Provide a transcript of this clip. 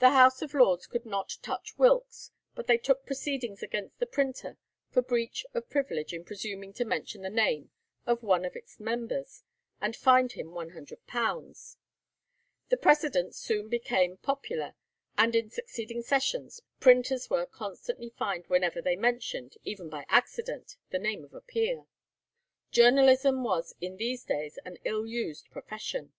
The House of Lords could not touch Wilkes, but they took proceedings against the printer for breach of privilege in presuming to mention the name of one of its members, and fined him £100. The precedent soon became popular, and in succeeding sessions printers were constantly fined whenever they mentioned, even by accident, the name of a peer. Journalism was in these days an ill used profession.